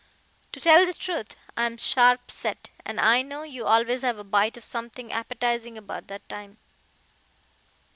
To tell the truth, I'm sharp set, and I know you always have a bite of something appetizing about that time."